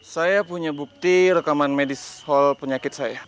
saya punya bukti rekaman medis soal penyakit saya